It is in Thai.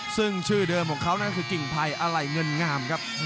ซึ่งชื่อเดิมของเขานั่นคือกิ่งไพรอะไหล่เงินงามครับ